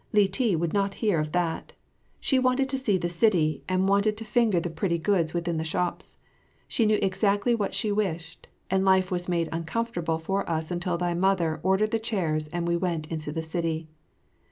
Li ti would not hear of that; she wanted to see the city, and she wanted to finger the pretty goods within the shops. She knew exactly what she wished, and life was made uncomfortable for us all until thy Mother ordered the chairs and we went into the city.